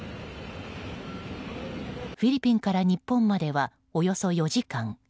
フィリピンから日本まではおよそ４時間。